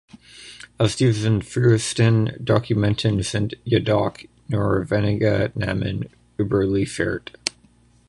Aus diesen frühesten Dokumenten sind jedoch nur wenige Namen überliefert.